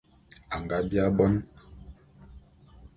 Anga biaé mon.